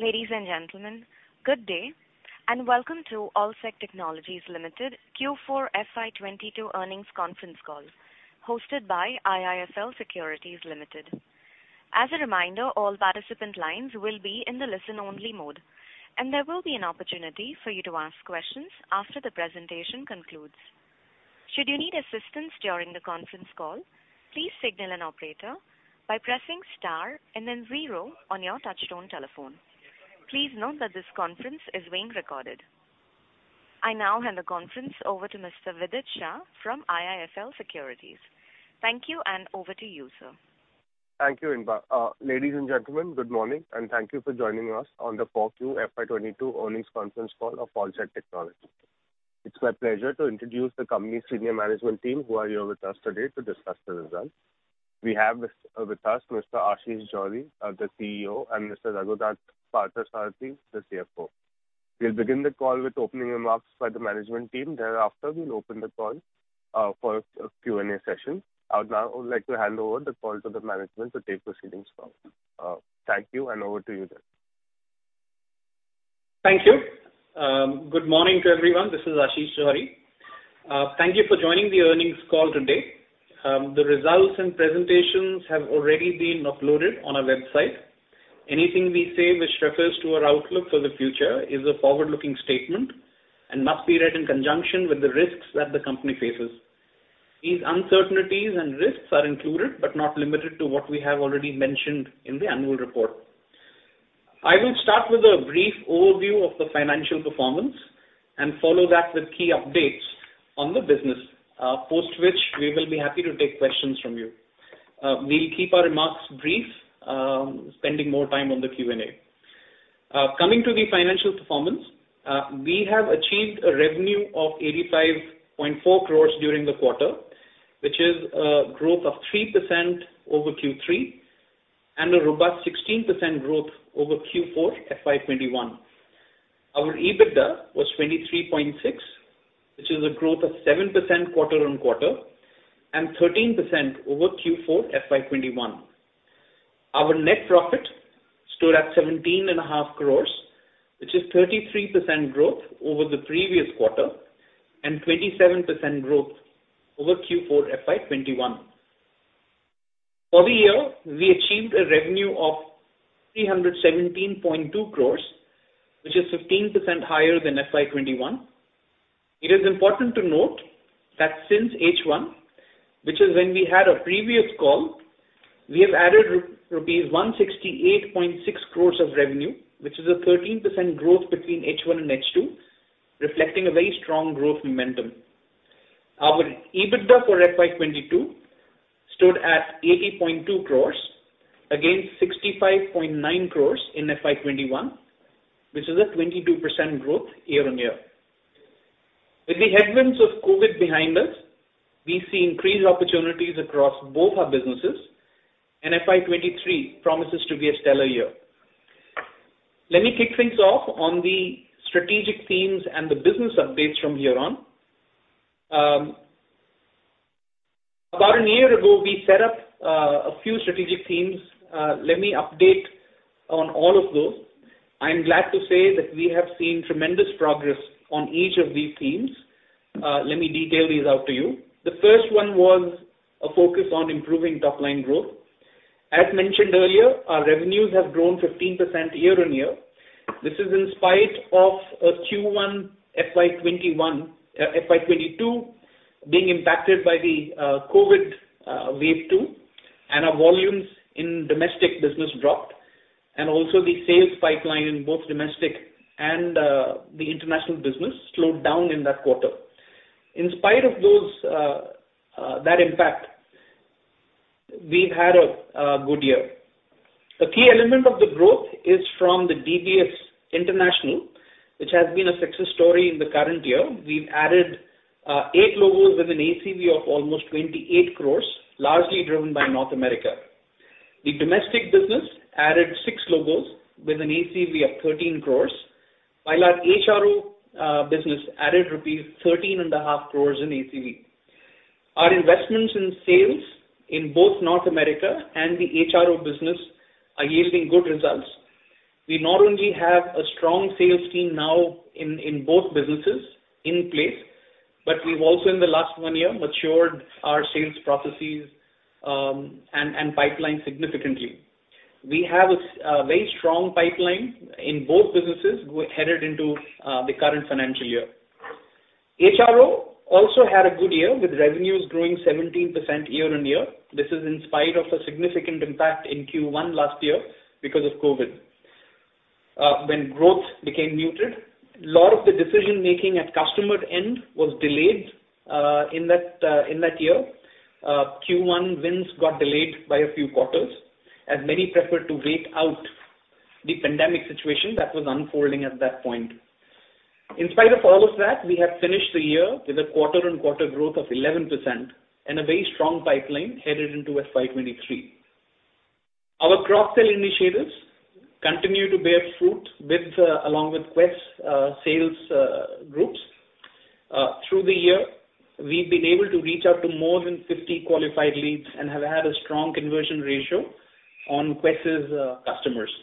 Ladies and gentlemen, good day, and welcome to Allsec Tech Ltd Q4 FY 2022 earnings conference call, hosted by IIFL Securities Limited. As a reminder, all participant lines will be in the listen-only mode, and there will be an opportunity for you to ask questions after the presentation concludes. Should you need assistance during the conference call, please signal an operator by pressing star and then zero on your touchtone telephone. Please note that this conference is being recorded. I now hand the conference over to Mr. Vidit Shah from IIFL Securities. Thank you, and over to you, sir. Thank you, Inba. Ladies and gentlemen, good morning, and thank you for joining us on the 4Q FY 2022 earnings conference call of Allsec Tech Ltd Q4 FY22 Tech. It's my pleasure to introduce the company's senior management team who are here with us today to discuss the results. We have with us Mr. Ashish Johri, the CEO, and Mr. Raghunath Parthasarathy, the CFO. We'll begin the call with opening remarks by the management team. Thereafter, we'll open the call for a Q&A session. I would now like to hand over the call to the management to take proceedings forward. Thank you and over to you, sir. Thank you. Good morning to everyone. This is Ashish Johri. Thank you for joining the earnings call today. The results and presentations have already been uploaded on our website. Anything we say which refers to our outlook for the future is a forward-looking statement and must be read in conjunction with the risks that the company faces. These uncertainties and risks are included, but not limited to what we have already mentioned in the annual report. I will start with a brief overview of the financial performance and follow that with key updates on the business, post which we will be happy to take questions from you. We'll keep our remarks brief, spending more time on the Q&A. Coming to the financial performance, we have achieved a revenue of 85.4 crores during the quarter, which is a growth of 3% over Q3 and a robust 16% growth over Q4 FY 2021. Our EBITDA was 23.6 crores, which is a growth of 7% quarter-over-quarter and 13% over Q4 FY 2021. Our net profit stood at 17.5 crores, which is 33% growth over the previous quarter and 27% growth over Q4 FY 2021. For the year, we achieved a revenue of 317.2 crores, which is 15% higher than FY 2021. It is important to note that since H1, which is when we had our previous call, we have added rupees 168.6 crores of revenue, which is a 13% growth between H1 and H2, reflecting a very strong growth momentum. Our EBITDA for FY 2022 stood at 80.2 crores against 65.9 crores in FY 2021, which is a 22% growth year on year. With the headwinds of COVID behind us, we see increased opportunities across both our businesses, and FY 2023 promises to be a stellar year. Let me kick things off on the strategic themes and the business updates from here on. About a year ago, we set up a few strategic themes. Let me update on all of those. I'm glad to say that we have seen tremendous progress on each of these themes. Let me detail these out to you. The first one was a focus on improving top-line growth. As mentioned earlier, our revenues have grown 15% year-on-year. This is in spite of Q1 FY 2022 being impacted by the COVID wave two, and our volumes in domestic business dropped. The sales pipeline in both domestic and the international business slowed down in that quarter. In spite of those, that impact, we've had a good year. A key element of the growth is from the DBS International, which has been a success story in the current year. We've added eight logos with an ACV of almost 28 crores, largely driven by North America. The domestic business added six logos with an ACV of 13 crore, while our HRO business added rupees 13.5 crore in ACV. Our investments in sales in both North America and the HRO business are yielding good results. We not only have a strong sales team now in both businesses in place, but we've also in the last one year matured our sales processes and pipeline significantly. We have a very strong pipeline in both businesses headed into the current financial year. HRO also had a good year, with revenues growing 17% year-on-year. This is in spite of a significant impact in Q1 last year because of COVID. When growth became muted, lot of the decision-making at customer end was delayed in that year. Q1 wins got delayed by a few quarters, as many preferred to wait out the pandemic situation that was unfolding at that point. In spite of all of that, we have finished the year with a quarter-on-quarter growth of 11% and a very strong pipeline headed into FY 2023. Our cross-sell initiatives continue to bear fruit with, along with Quess sales groups. Through the year, we've been able to reach out to more than 50 qualified leads and have had a strong conversion ratio on Quess's customers.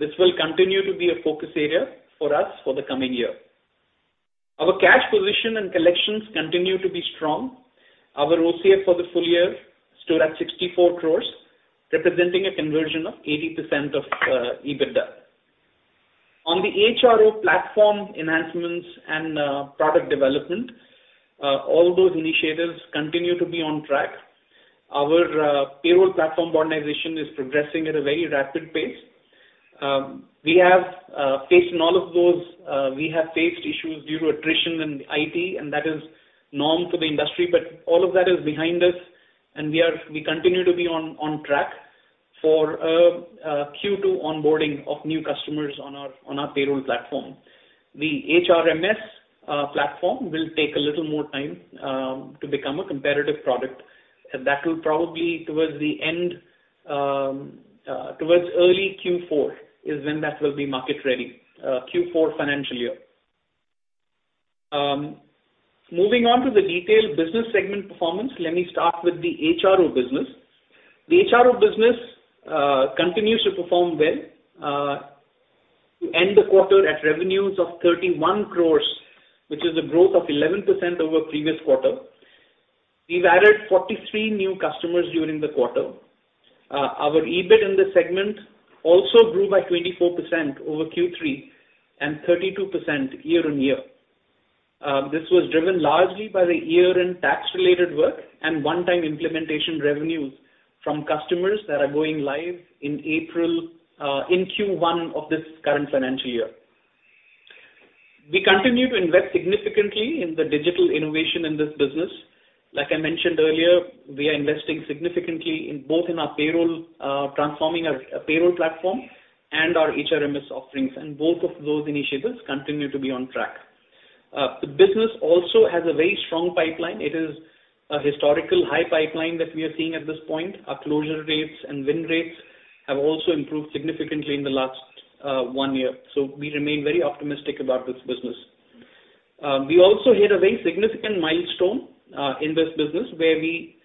This will continue to be a focus area for us for the coming year. Our cash position and collections continue to be strong. Our OCF for the full year stood at 64 crores, representing a conversion of 80% of EBITDA. On the HRO platform enhancements and product development, all those initiatives continue to be on track. Our payroll platform modernization is progressing at a very rapid pace. We have faced issues due to attrition in IT, and that is norm for the industry. All of that is behind us and we continue to be on track for a Q2 onboarding of new customers on our payroll platform. The HRMS platform will take a little more time to become a competitive product, and that will probably towards early Q4 is when that will be market ready, Q4 financial year. Moving on to the detailed business segment performance. Let me start with the HRO business. The HRO business continues to perform well to end the quarter at revenues of 31 crores, which is a growth of 11% over previous quarter. We've added 43 new customers during the quarter. Our EBIT in this segment also grew by 24% over Q3 and 32% year-on-year. This was driven largely by the year-end tax-related work and one-time implementation revenues from customers that are going live in April in Q1 of this current financial year. We continue to invest significantly in the digital innovation in this business. Like I mentioned earlier, we are investing significantly in both in our payroll transforming our payroll platform and our HRMS offerings, and both of those initiatives continue to be on track. The business also has a very strong pipeline. It is a historical high pipeline that we are seeing at this point. Our closure rates and win rates have also improved significantly in the last 1 year. We remain very optimistic about this business. We also hit a very significant milestone in this business where we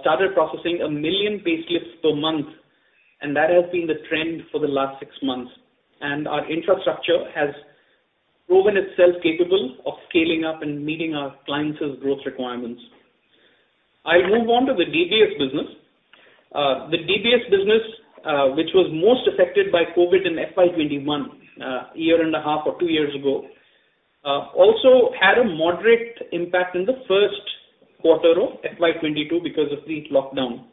started processing 1 million payslips per month, and that has been the trend for the last six months. Our infrastructure has proven itself capable of scaling up and meeting our clients' growth requirements. I move on to the DBS business. The DBS business, which was most affected by COVID in FY 2021, a year and a half or two years ago, also had a moderate impact in the first quarter of FY 2022 because of the lockdown.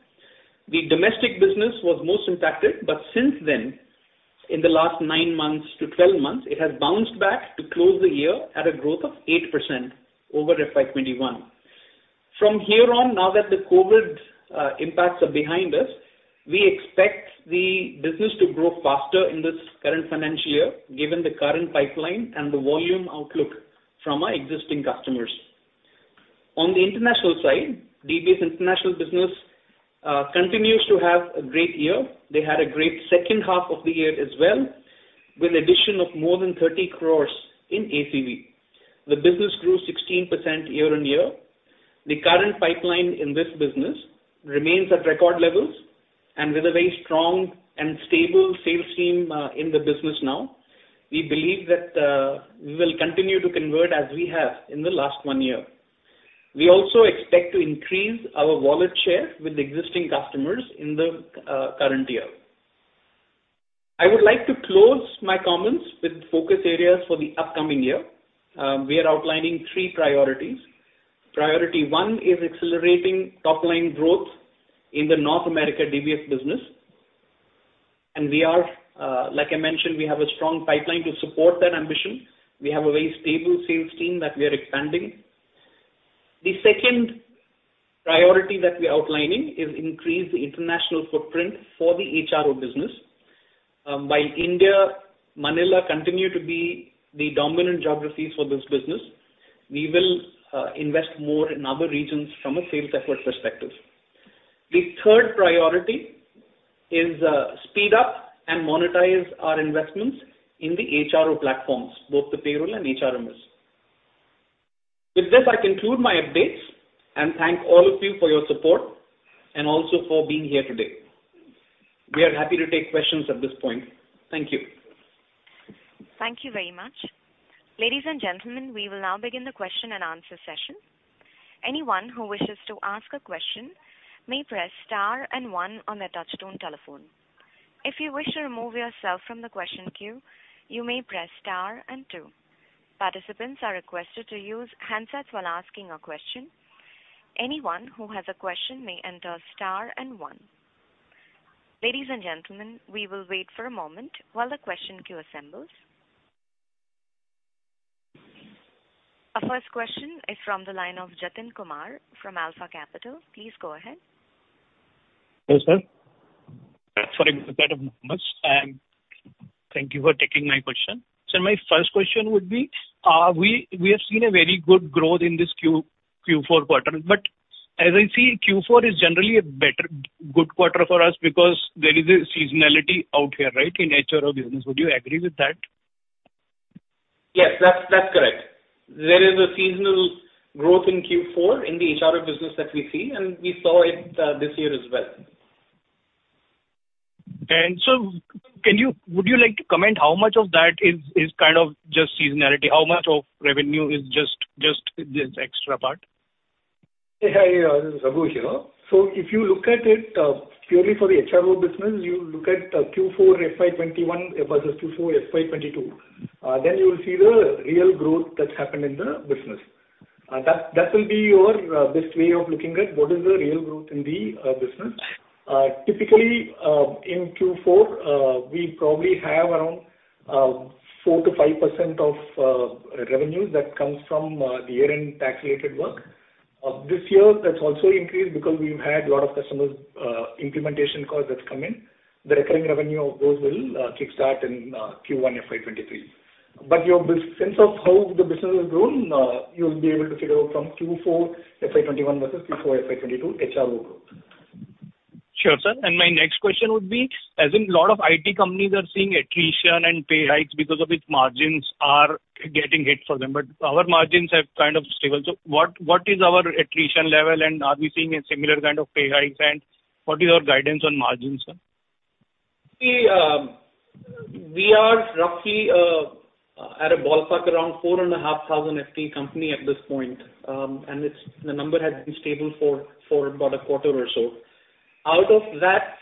The domestic business was most impacted, but since then, in the last nine months to 12 months, it has bounced back to close the year at a growth of 8% over FY 2021. From here on, now that the COVID impacts are behind us, we expect the business to grow faster in this current financial year, given the current pipeline and the volume outlook from our existing customers. On the international side, DBS International business continues to have a great year. They had a great second half of the year as well, with addition of more than 30 crores in ACV. The business grew 16% year-on-year. The current pipeline in this business remains at record levels and with a very strong and stable sales team in the business now. We believe that we will continue to convert as we have in the last one year. We also expect to increase our wallet share with existing customers in the current year. I would like to close my comments with focus areas for the upcoming year. We are outlining three priorities. Priority one is accelerating top-line growth in the North America DBS business. We are, like I mentioned, we have a strong pipeline to support that ambition. We have a very stable sales team that we are expanding. The second priority that we are outlining is increase the international footprint for the HRO business. While India, Manila continue to be the dominant geographies for this business, we will invest more in other regions from a sales effort perspective. The third priority is, speed up and monetize our investments in the HRO platforms, both the payroll and HRMS. With this, I conclude my updates and thank all of you for your support and also for being here today. We are happy to take questions at this point. Thank you. Thank you very much. Ladies and gentlemen, we will now begin the question-and-answer session. Anyone who wishes to ask a question may press star and one on their touchtone telephone. If you wish to remove yourself from the question queue, you may press star and two. Participants are requested to use handsets while asking a question. Anyone who has a question may enter star and one. Ladies and gentlemen, we will wait for a moment while the question queue assembles. Our first question is from the line of Jatin Kumar from Alpha Capital. Please go ahead. Hello, sir. Sorry for the delay and thank you for taking my question. My first question would be, we have seen a very good growth in this Q4 quarter, but as I see, Q4 is generally a better good quarter for us because there is a seasonality out here, right, in HRO business. Would you agree with that? Yes. That's correct. There is a seasonal growth in Q4 in the HRO business that we see, and we saw it this year as well. Would you like to comment how much of that is kind of just seasonality? How much of revenue is just this extra part? This is Raghu here. If you look at it, purely for the HRO business, you look at Q4 FY 2021 versus Q4 FY 2022, then you'll see the real growth that's happened in the business. That will be your best way of looking at what is the real growth in the business. Typically, in Q4, we probably have around 4%-5% of revenues that comes from the year-end tax-related work. This year, that's also increased because we've had a lot of customers' implementation costs that's come in. The recurring revenue of those will kickstart in Q1 FY 2023. Your best sense of how the business has grown, you'll be able to figure out from Q4 FY 2021 versus Q4 FY 2022 HRO growth. Sure, sir. My next question would be, as a lot of IT companies are seeing attrition and pay hikes because their margins are getting hit for them, but our margins are kind of stable. What is our attrition level, and are we seeing a similar kind of pay hikes? What is your guidance on margins, sir? We are roughly at a ballpark around 4,500 FTE company at this point. The number has been stable for about a quarter or so. Out of that,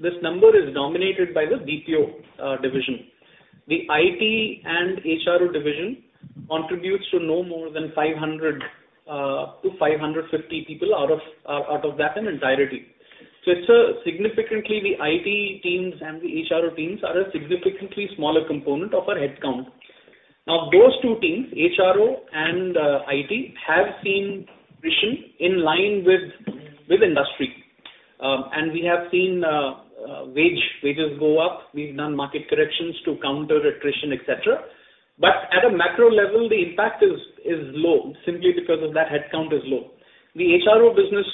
this number is dominated by the BPO division. The IT and HRO division contributes to no more than 500, up to 550 people out of that in entirety. It's significantly the IT teams and the HRO teams are a significantly smaller component of our headcount. Now, those two teams, HRO and IT, have seen attrition in line with industry. We have seen wages go up. We've done market corrections to counter attrition, et cetera. At a macro level, the impact is low simply because that headcount is low. The HRO business,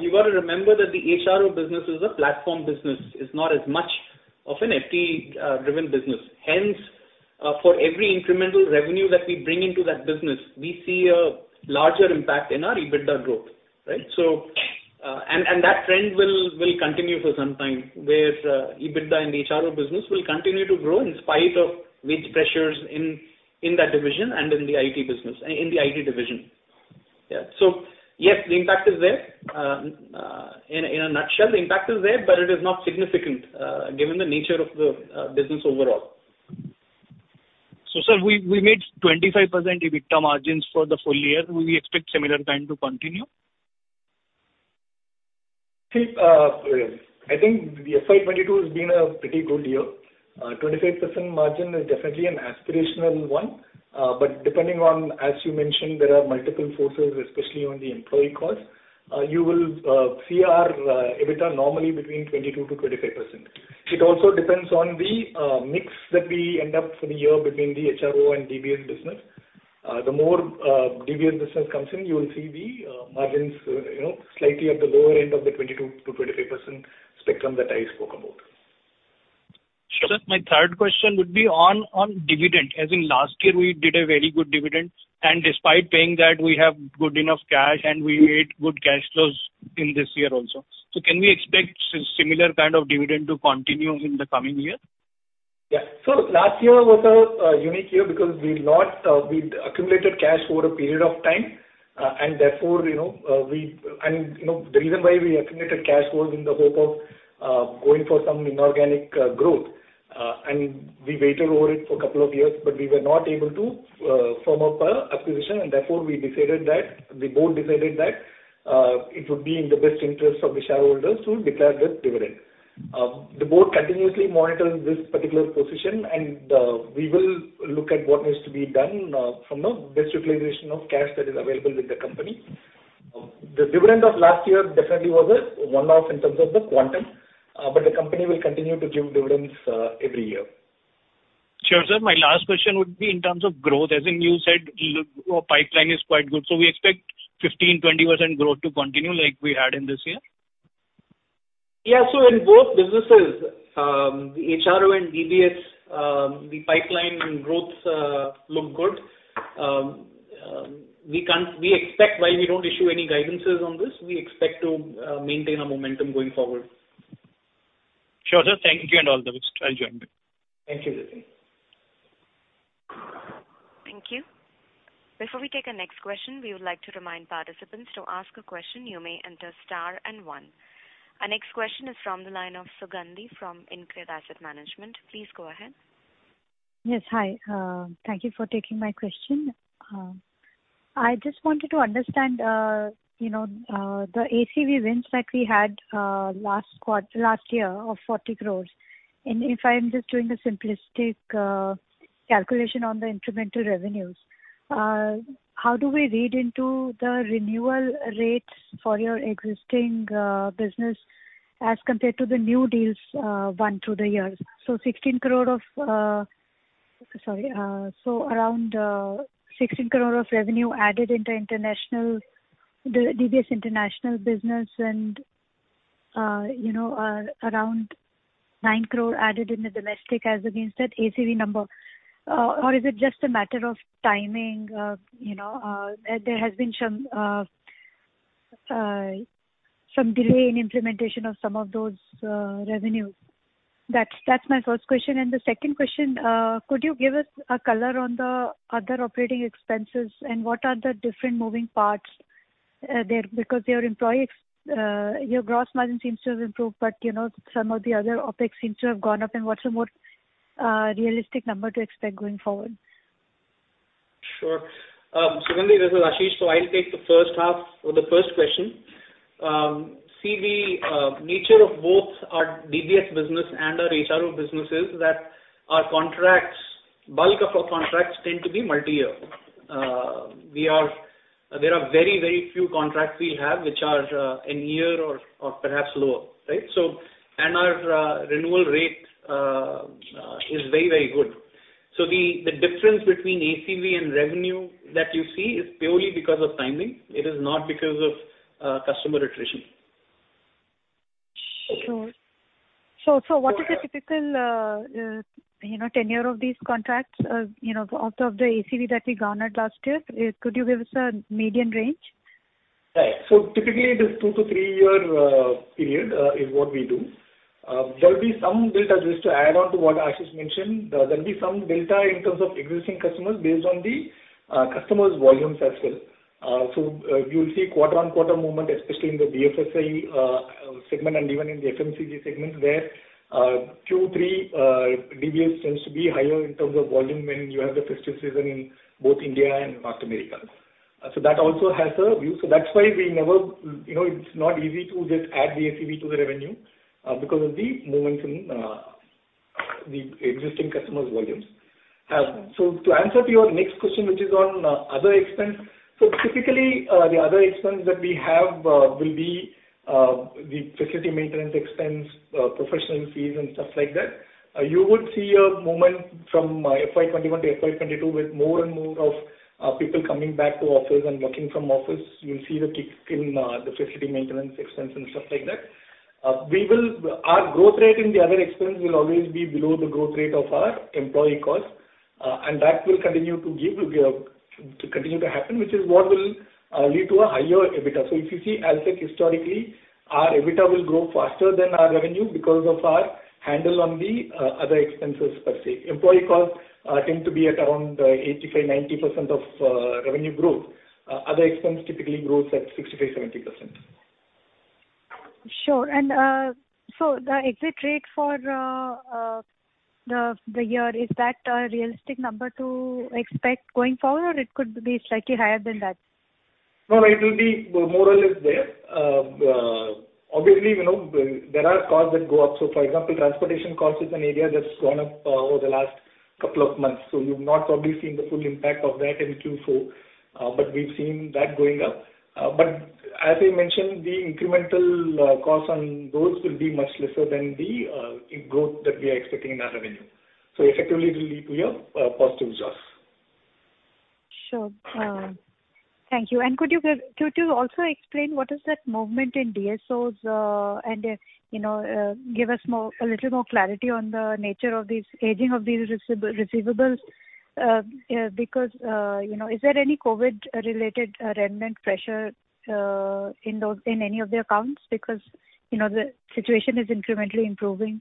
you've got to remember that the HRO business is a platform business. It's not as much of an FTE driven business. Hence, for every incremental revenue that we bring into that business, we see a larger impact in our EBITDA growth, right? That trend will continue for some time, where EBITDA in the HRO business will continue to grow in spite of wage pressures in that division and in the IT business, in the IT division. Yeah. Yes, the impact is there. In a nutshell, the impact is there, but it is not significant, given the nature of the business overall. sir, we made 25% EBITDA margins for the full year. Will we expect similar trend to continue? See, I think the FY 2022 has been a pretty good year. 25% margin is definitely an aspirational one. Depending on, as you mentioned, there are multiple forces, especially on the employee costs. You will see our EBITDA normally between 22%-25%. It also depends on the mix that we end up for the year between the HRO and DBS business. The more DBS business comes in, you will see the margins you know, slightly at the lower end of the 22%-25% spectrum that I spoke about. Sure. My third question would be on dividend. As in last year, we did a very good dividend, and despite paying that, we have good enough cash, and we made good cash flows in this year also. Can we expect similar kind of dividend to continue in the coming year? Yeah. Last year was a unique year because we'd accumulated cash for a period of time, and therefore, you know, the reason why we accumulated cash was in the hope of going for some inorganic growth. We waited on it for a couple of years, but we were not able to firm up an acquisition, and therefore we decided that the board decided that it would be in the best interest of the shareholders to declare the dividend. The board continuously monitors this particular position, and we will look at what needs to be done from the best utilization of cash that is available with the company. The dividend of last year definitely was a one-off in terms of the quantum, but the company will continue to give dividends, every year. Sure, sir. My last question would be in terms of growth. As in you said, pipeline is quite good. We expect 15%-20% growth to continue like we had in this year? In both businesses, HRO and DBS, the pipeline and growths look good. We expect, while we don't issue any guidances on this, we expect to maintain our momentum going forward. Sure, sir. Thank you and all the best. I'll join you. Thank you, Jatin Kumar. Thank you. Before we take our next question, we would like to remind participants to ask a question, you may enter star and one. Our next question is from the line of Sugandhi from InCred Asset Management. Please go ahead. Yes. Hi. Thank you for taking my question. I just wanted to understand, you know, the ACV wins that we had, last year of 40 crore. If I'm just doing the simplistic calculation on the incremental revenues, how do we read into the renewal rates for your existing business as compared to the new deals won through the years? Around 16 crore of revenue added into international, the DBS international business and, you know, around 9 crore added in the domestic as against that ACV number. Or is it just a matter of timing? You know, there has been some delay in implementation of some of those revenues. That's my first question. The second question, could you give us a color on the other operating expenses and what are the different moving parts, there? Because your gross margin seems to have improved, but, you know, some of the other OpEx seems to have gone up and what's a more, realistic number to expect going forward? Sure. Sugandhi, this is Ashish. I'll take the first half or the first question. See the nature of both our DBS business and our HRO businesses that our contracts, bulk of our contracts tend to be multi-year. There are very, very few contracts we have which are in year or perhaps lower, right? And our renewal rate is very, very good. The difference between ACV and revenue that you see is purely because of timing. It is not because of customer attrition. Sure. What is the typical, you know, tenure of these contracts, you know, out of the ACV that we garnered last year? Could you give us a median range? Right. Typically it is two-three year period is what we do. There will be some delta, just to add on to what Ashish mentioned. There'll be some delta in terms of existing customers based on the customers' volumes as well. You will see quarter-on-quarter movement, especially in the BFSI segment and even in the FMCG segment where Q3 DBS tends to be higher in terms of volume when you have the festive season in both India and North America. That also has a view. That's why we never, you know, it's not easy to just add the ACV to the revenue because of the movements in the existing customers' volumes. To answer your next question, which is on other expense. Typically, the other expense that we have will be the facility maintenance expense, professional fees and stuff like that. You would see a movement from FY 2021 to FY 2022 with more and more of people coming back to office and working from office. You'll see the kicks in the facility maintenance expense and stuff like that. Our growth rate in the other expense will always be below the growth rate of our employee cost, and that will continue to happen, which is what will lead to a higher EBITDA. If you see Allsec historically, our EBITDA will grow faster than our revenue because of our handle on the other expenses per se. Employee costs tend to be at around 85%-90% of revenue growth. Other expense typically grows at 65%-70%. Sure. The exit rate for the year, is that a realistic number to expect going forward, or it could be slightly higher than that? No, it will be more or less there. Obviously, you know, there are costs that go up. For example, transportation cost is an area that's gone up over the last couple of months. You've not probably seen the full impact of that in Q4, but we've seen that going up. As I mentioned, the incremental costs on those will be much lesser than the growth that we are expecting in our revenue. Effectively, it will lead to a positive offset. Sure. Thank you. Could you also explain what is that movement in DSOs, and, you know, give us more, a little more clarity on the nature of these, aging of these receivables? Because, you know, the situation is incrementally improving?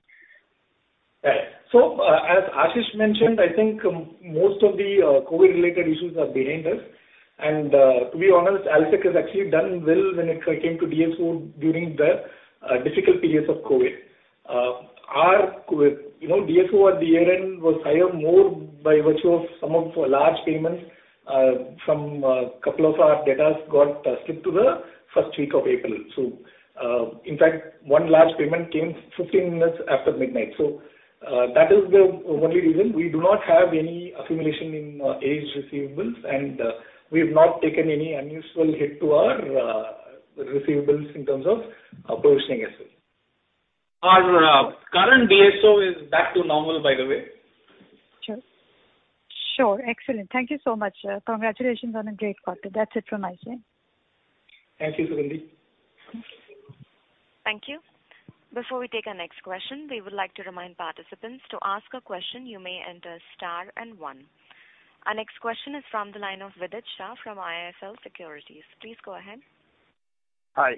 Right. As Ashish mentioned, I think most of the COVID-related issues are behind us. To be honest, Allsec has actually done well when it came to DSO during the difficult periods of COVID. Our, you know, DSO at the year-end was higher more by virtue of some large payments from couple of our debtors got skipped to the first week of April. In fact, one large payment came 15 minutes after midnight. That is the only reason we do not have any accumulation in aged receivables, and we've not taken any unusual hit to our receivables in terms of provisioning as well. Our current DSO is back to normal, by the way. Sure. Sure. Excellent. Thank you so much. Congratulations on a great quarter. That's it from my side. Thank you, Sugandhi. Thank you. Thank you. Before we take our next question, we would like to remind participants to ask a question, you may enter star and one. Our next question is from the line of Vidit Shah from IIFL Securities. Please go ahead. Hi.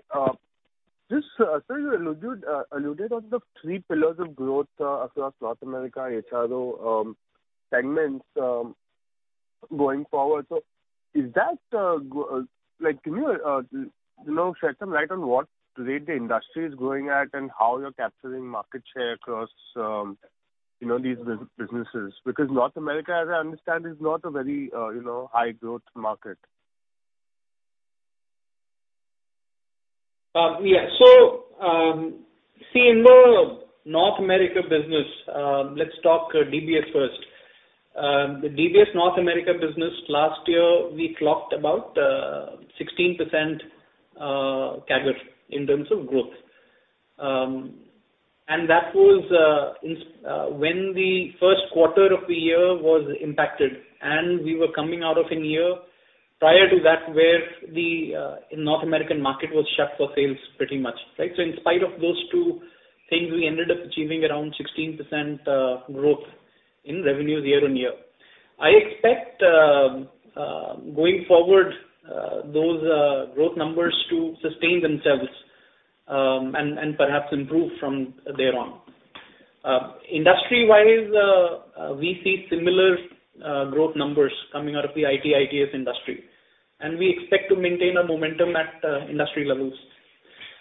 Just, sir, you alluded on the three pillars of growth across North America, HRO, segments, going forward. Is that like, can you know, shed some light on what rate the industry is growing at and how you're capturing market share across, you know, these businesses? Because North America, as I understand, is not a very, you know, high growth market. See in the North America business, let's talk DBS first. The DBS North America business last year, we clocked about 16% CAGR in terms of growth. When the first quarter of the year was impacted, and we were coming out of a year prior to that, where the North American market was shut for sales pretty much. Right. In spite of those two things, we ended up achieving around 16% growth in revenues year-on-year. I expect going forward those growth numbers to sustain themselves, and perhaps improve from there on. Industry-wise, we see similar growth numbers coming out of the IT/ITES industry, and we expect to maintain a momentum at industry levels.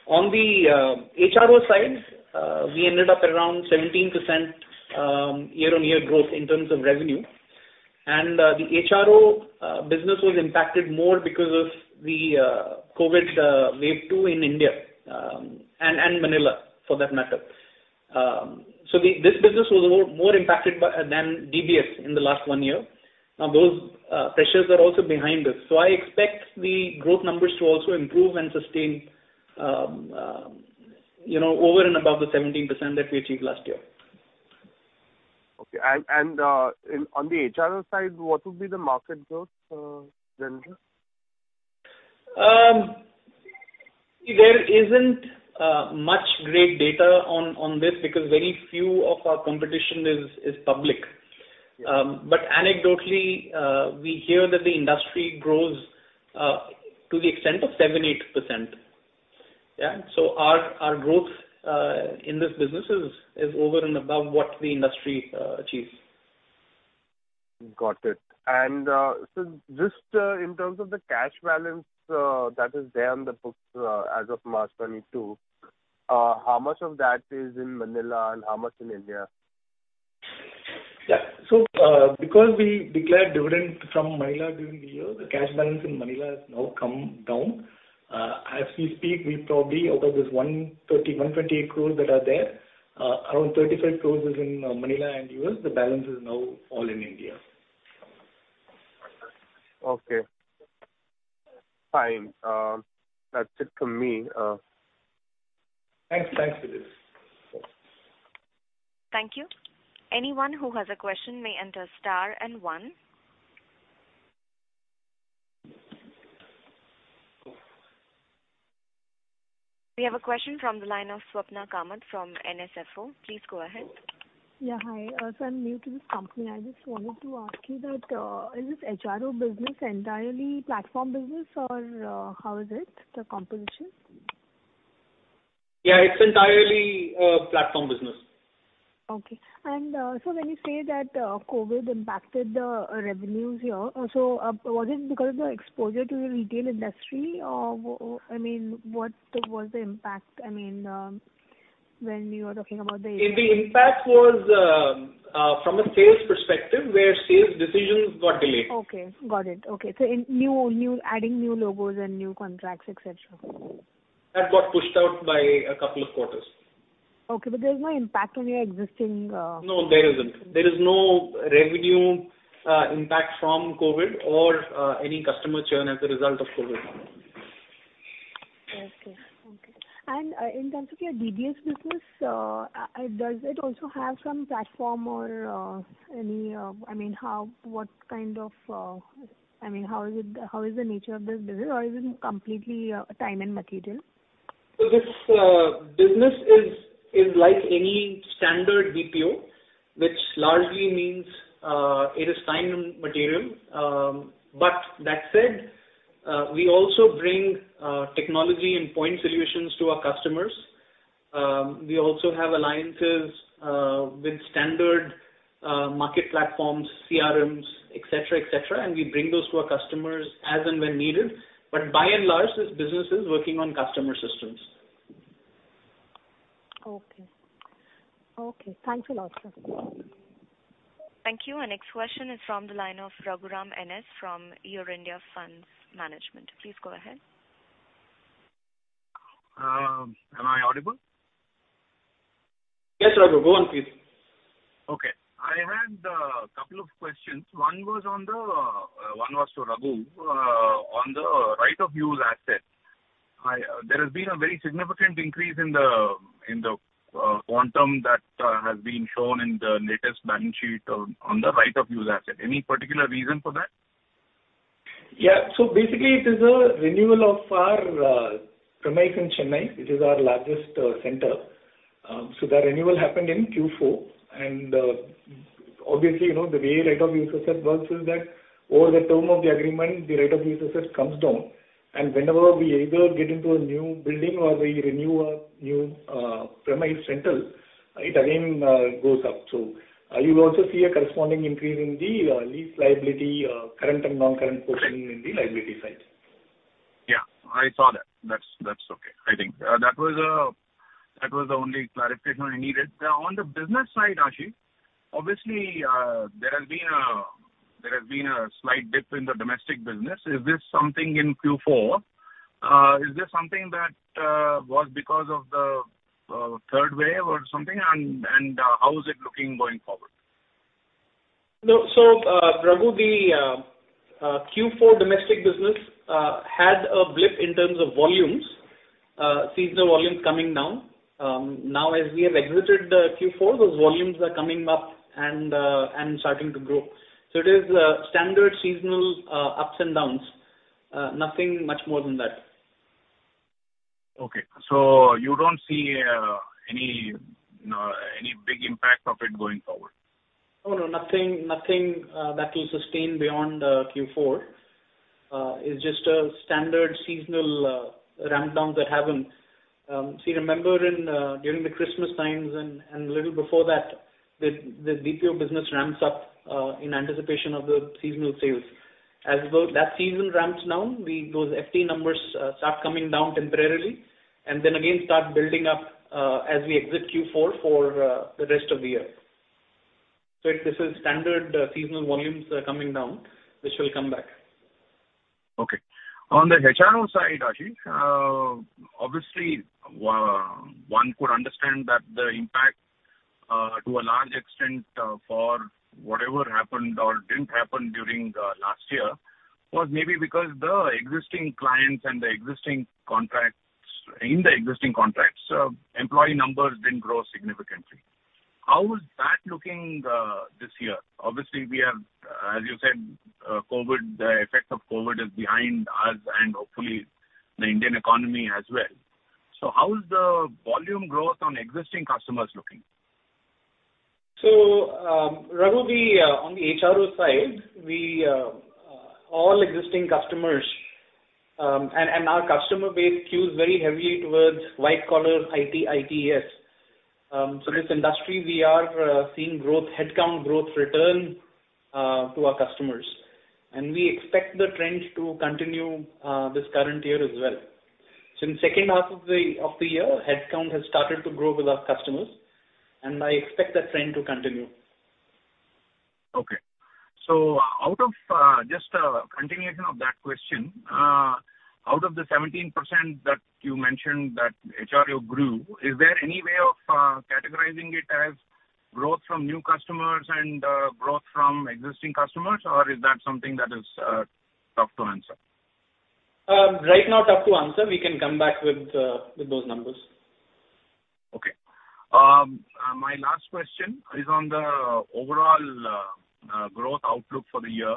On the HRO side, we ended up around 17% year-on-year growth in terms of revenue. The HRO business was impacted more because of the COVID wave two in India, and Manila for that matter. This business was more impacted than DBS in the last one year. Now those pressures are also behind us, so I expect the growth numbers to also improve and sustain, you know, over and above the 17% that we achieved last year. Okay. On the HRO side, what would be the market growth, then? There isn't much great data on this because very few of our competition is public. Anecdotally, we hear that the industry grows to the extent of 7%-8%. Yeah. Our growth in this business is over and above what the industry achieves. Got it. Just in terms of the cash balance that is there on the books as of March 2022, how much of that is in Manila and how much in India? Because we declared dividend from Manila during the year, the cash balance in Manila has now come down. As we speak, we probably out of this 128-130 crore that are there, around 35 crore is in Manila and U.S. The balance is now all in India. Okay. Fine. That's it from me. Thanks. Thanks, Mr. Vidit Shah. Thank you. Anyone who has a question may enter star and one. We have a question from the line of Swapnil Kamat from NSFO. Please go ahead. Yeah. Hi. I'm new to this company. I just wanted to ask you that, is this HRO business entirely platform business or how is it, the composition? Yeah. It's entirely platform business. Okay. When you say that, COVID impacted the revenues here, so, was it because of the exposure to the retail industry or I mean, what was the impact, I mean, when you are talking about the impact? The impact was from a sales perspective, where sales decisions got delayed. Okay. Got it. Okay. In adding new logos and new contracts, et cetera. That got pushed out by a couple of quarters. Okay. There's no impact on your existing. No, there isn't. There is no revenue impact from COVID or any customer churn as a result of COVID. Okay. In terms of your DBS business, does it also have some platform or any? I mean, how, what kind of? I mean, how is it, how is the nature of this business or is it completely time and material? This business is like any standard BPO, which largely means it is time and material. That said, we also bring technology and point solutions to our customers. We also have alliances with standard market platforms, CRMs, et cetera, etc, and we bring those to our customers as and when needed. By and large, this business is working on customer systems. Okay. Okay. Thanks a lot, sir. Thank you. Next question is from the line of Raghuram N.S. from Your India Funds Management. Please go ahead. Am I audible? Yes, Raghu. Go on, please. Okay. I had couple of questions. One was to Raghu on the right-of-use asset. There has been a very significant increase in the quantum that has been shown in the latest balance sheet on the right-of-use asset. Any particular reason for that? Yeah. Basically, it is a renewal of our premise in Chennai. It is our largest center. The renewal happened in Q4, and obviously, you know, the way right of use asset works is that over the term of the agreement, the right of use asset comes down. Whenever we either get into a new building or we renew a new premise center, it again goes up. You'll also see a corresponding increase in the lease liability, current and non-current portion in the liability side. Yeah, I saw that. That's okay. I think that was the only clarification I needed. On the business side, Ashish, obviously, there has been a slight dip in the domestic business. Is this something in Q4? Is this something that was because of the third wave or something? How is it looking going forward? No. Raghu, the Q4 domestic business had a blip in terms of volumes, seasonal volumes coming down. Now, as we have exited the Q4, those volumes are coming up and starting to grow. It is standard seasonal ups and downs, nothing much more than that. Okay. You don't see any big impact of it going forward? Oh, no. Nothing that will sustain beyond Q4. It's just a standard seasonal ramp down that happens. You remember during the Christmas time and a little before that, the BPO business ramps up in anticipation of the seasonal sales. As the season ramps down, those FTE numbers start coming down temporarily and then again start building up as we exit Q4 for the rest of the year. This is standard seasonal volumes coming down, which will come back. Okay. On the HRO side, Ashish, obviously one could understand that the impact to a large extent for whatever happened or didn't happen during the last year was maybe because the existing clients and the existing contracts, in the existing contracts, employee numbers didn't grow significantly. How is that looking this year? Obviously, we have, as you said, COVID, the effect of COVID is behind us and hopefully the Indian economy as well. How is the volume growth on existing customers looking? Raghu, on the HRO side, all existing customers and our customer base skews very heavily towards white collar IT, ITES. This industry we are seeing growth, headcount growth return to our customers. We expect the trend to continue this current year as well. Since second half of the year, headcount has started to grow with our customers, and I expect that trend to continue. Okay. Out of just a continuation of that question, out of the 17% that you mentioned that HRO grew, is there any way of categorizing it as growth from new customers and growth from existing customers, or is that something that is tough to answer? Right now tough to answer. We can come back with those numbers. Okay. My last question is on the overall growth outlook for the year.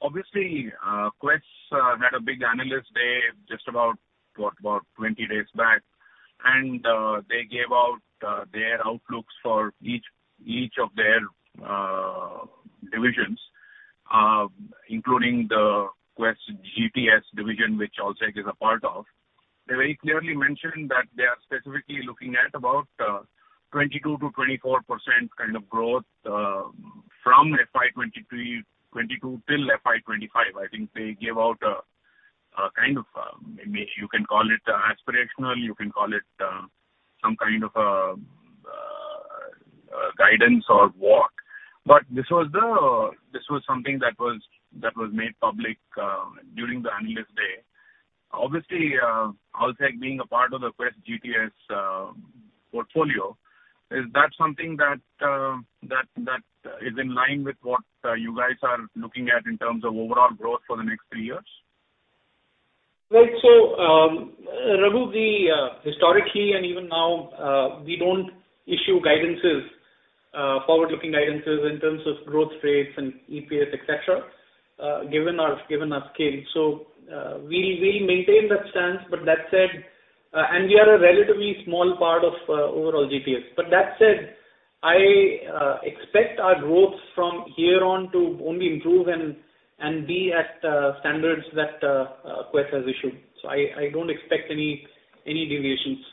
Obviously, Quess had a big analyst day just about, what, about 20 days back. They gave out their outlooks for each of their divisions, including the Quess GTS division, which Allsec is a part of. They very clearly mentioned that they are specifically looking at about 22%-24% kind of growth from FY 2022 till FY 2025. I think they gave out a kind of, you can call it aspirational, you can call it some kind of guidance or talk. This was something that was made public during the analyst day. Obviously, Allsec being a part of the Quess GTS portfolio, is that something that is in line with what you guys are looking at in terms of overall growth for the next three years? Right. Raghu, we historically and even now, we don't issue guidances, forward-looking guidances in terms of growth rates and EPS, et cetera, given our scale. We maintain that stance. That said, we are a relatively small part of overall GTS. That said, I expect our growth from here on to only improve and be at standards that Quess has issued. I don't expect any deviations.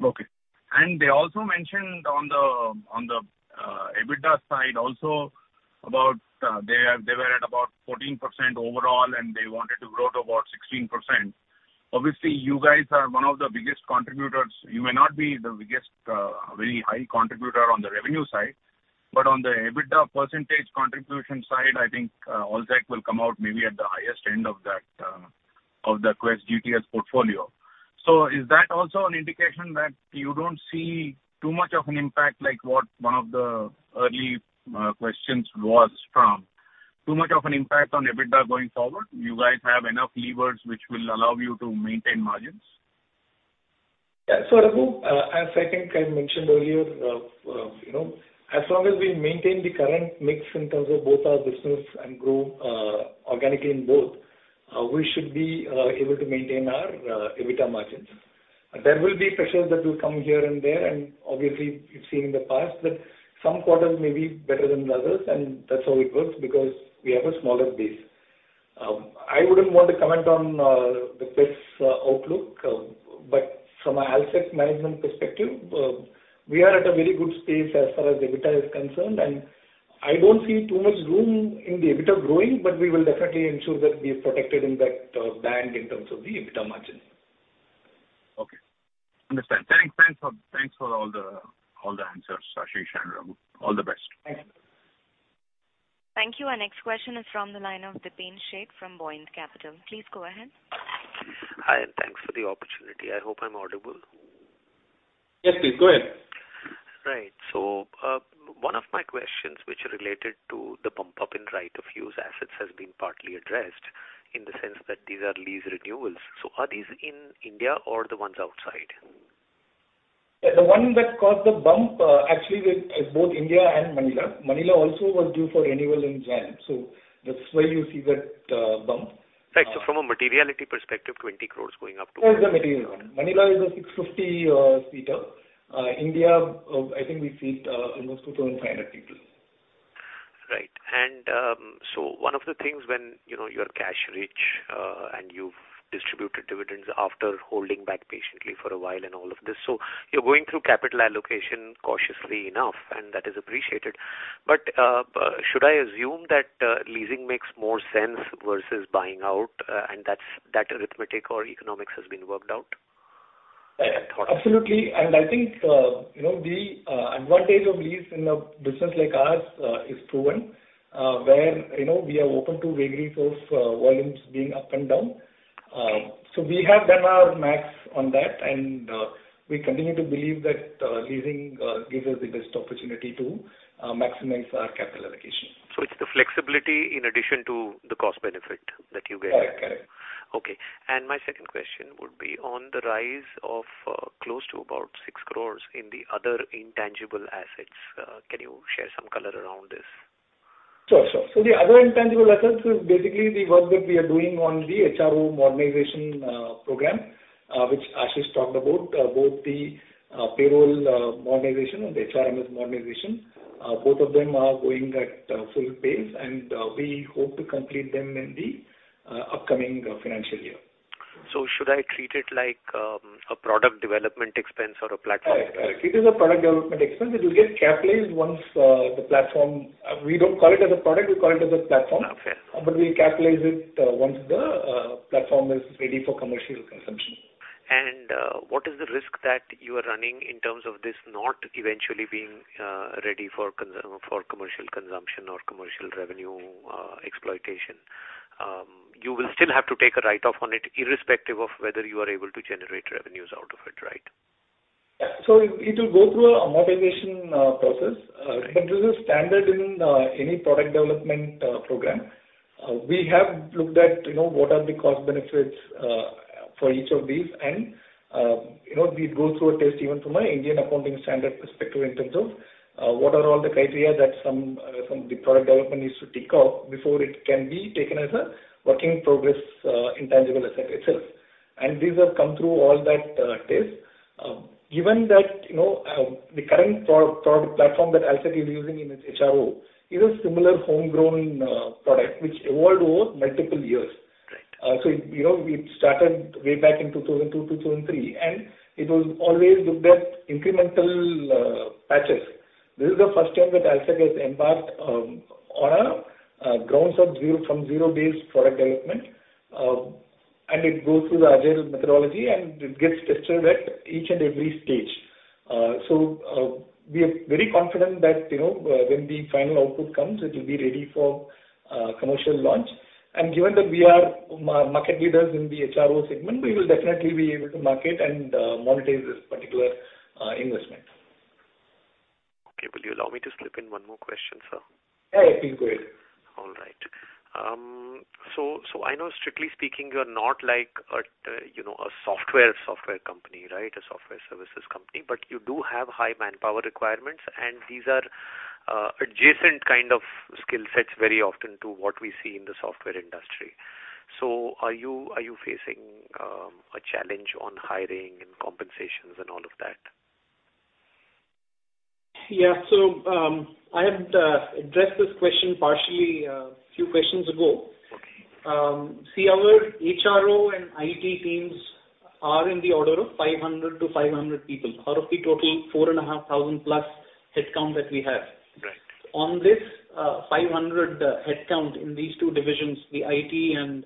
They also mentioned on the EBITDA side also about they were at about 14% overall, and they wanted to grow to about 16%. Obviously, you guys are one of the biggest contributors. You may not be the biggest, very high contributor on the revenue side, but on the EBITDA percentage contribution side, I think, Allsec will come out maybe at the highest end of that, of the Quess GTS portfolio. Is that also an indication that you don't see too much of an impact, like what one of the early questions was from, too much of an impact on EBITDA going forward? You guys have enough levers which will allow you to maintain margins. Yeah. Raghu, as I think I mentioned earlier, you know, as long as we maintain the current mix in terms of both our business and grow organically in both, we should be able to maintain our EBITDA margins. There will be pressures that will come here and there, and obviously you've seen in the past that some quarters may be better than the others, and that's how it works because we have a smaller base. I wouldn't want to comment on the Quess outlook, but from a Allsec management perspective, we are at a very good space as far as EBITDA is concerned, and I don't see too much room in the EBITDA growing, but we will definitely ensure that we are protected in that band in terms of the EBITDA margin. Okay. Understand. Thanks for all the answers, Ashish and Raghu. All the best. Thank you. Thank you. Our next question is from the line of Dipen Sheth from Buoyant Capital. Please go ahead. Hi, and thanks for the opportunity. I hope I'm audible. Yes, please go ahead. Right. One of my questions which are related to the bump up in right of use assets has been partly addressed in the sense that these are lease renewals. Are these in India or the ones outside? The one that caused the bump, actually with both India and Manila. Manila also was due for renewal in January. That's why you see that, bump. Right. From a materiality perspective, 20 crore going up to- Yeah, it's a material one. Manila is a 650 seater. India, I think we seat almost 2,500 people. Right. One of the things when, you know, you're cash rich, and you've distributed dividends after holding back patiently for a while and all of this. You're going through capital allocation cautiously enough, and that is appreciated. Should I assume that leasing makes more sense versus buying out, and that arithmetic or economics has been worked out? Absolutely. I think, you know, the advantage of lease in a business like ours is proven, where, you know, we are open to vagaries of volumes being up and down. So we have done our max on that, and we continue to believe that leasing gives us the best opportunity to maximize our capital allocation. It's the flexibility in addition to the cost benefit that you get. Correct. Okay. My second question would be on the rise of close to about 6 crores in the other intangible assets. Can you share some color around this? Sure. The other intangible assets is basically the work that we are doing on the HRO modernization program, which Ashish talked about. Both the payroll modernization and the HRMS modernization. Both of them are going at full pace, and we hope to complete them in the upcoming financial year. Should I treat it like a product development expense or a platform expense? Correct. It is a product development expense. It will get capitalized once the platform. We don't call it as a product, we call it as a platform. Okay. We capitalize it once the platform is ready for commercial consumption. What is the risk that you are running in terms of this not eventually being ready for commercial consumption or commercial revenue exploitation? You will still have to take a write-off on it irrespective of whether you are able to generate revenues out of it, right? It will go through an amortization process. This is standard in any product development program. We have looked at, you know, what are the cost benefits for each of these. You know, these go through a test even from an Indian Accounting Standards perspective in terms of what are all the criteria that the product development needs to tick off before it can be taken as a work in progress intangible asset itself. These have come through all that test. Given that, you know, the current proprietary product platform that Allsec is using in its HRO is a similar homegrown product which evolved over multiple years. Right. You know, we started way back in 2002, 2003, and it was always with that incremental patches. This is the first time that Alldigi Tech has embarked on a from zero-based product development. It goes through the agile methodology, and it gets tested at each and every stage. We are very confident that, you know, when the final output comes, it will be ready for commercial launch. Given that we are market leaders in the HRO segment, we will definitely be able to market and monetize this particular investment. Okay. Will you allow me to slip in one more question, sir? Yeah, yeah. Please go ahead. All right. I know strictly speaking, you're not like a you know a software company, right? A software services company. But you do have high manpower requirements, and these are adjacent kind of skill sets very often to what we see in the software industry. Are you facing a challenge on hiring and compensations and all of that? Yeah. I had addressed this question partially a few questions ago. Okay. See, our HRO and IT teams are in the order of 500 people-500 people out of the total 4,500+ headcount that we have. Right. On this, 500 headcount in these two divisions, the IT and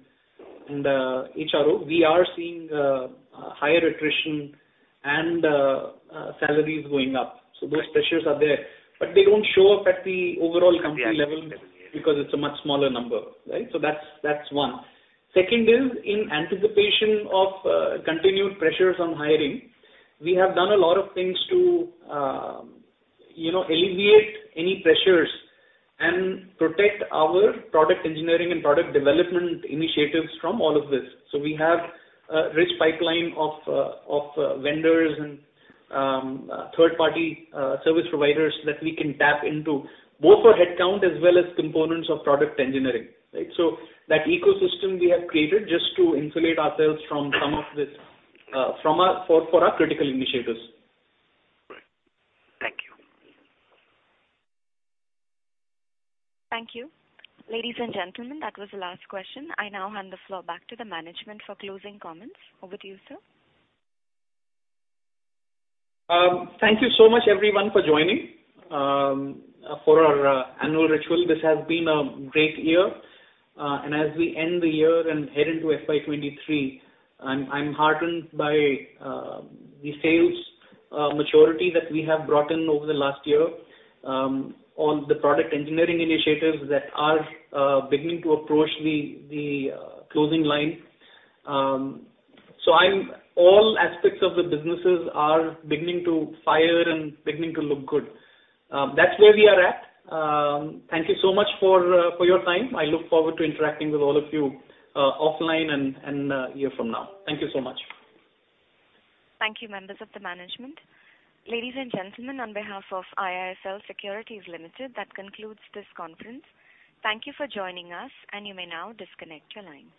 HRO, we are seeing higher attrition and salaries going up. Those pressures are there. They don't show up at the overall company level because it's a much smaller number, right? That's one. Second is in anticipation of continued pressures on hiring, we have done a lot of things to, you know, alleviate any pressures and protect our product engineering and product development initiatives from all of this. We have a rich pipeline of vendors and third-party service providers that we can tap into, both for headcount as well as components of product engineering, right? That ecosystem we have created just to insulate ourselves from some of this, from, for our critical initiatives. Right. Thank you. Thank you. Ladies and gentlemen, that was the last question. I now hand the floor back to the management for closing comments. Over to you, sir. Thank you so much everyone for joining for our annual ritual. This has been a great year. As we end the year and head into FY 2023, I'm heartened by the sales maturity that we have brought in over the last year on the product engineering initiatives that are beginning to approach the closing line. All aspects of the businesses are beginning to fire and beginning to look good. That's where we are at. Thank you so much for your time. I look forward to interacting with all of you offline and a year from now. Thank you so much. Thank you, members of the management. Ladies and gentlemen, on behalf of IIFL Securities Limited, that concludes this conference. Thank you for joining us, and you may now disconnect your lines.